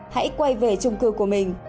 hãy quay về chung cư của mình